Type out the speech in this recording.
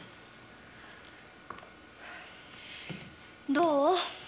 どう？